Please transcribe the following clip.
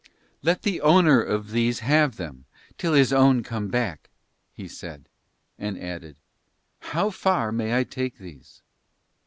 "Let the owner of these have them till his own come back," he said, and added: "How far may I take these?"